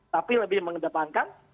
tapi lebih mengedepankan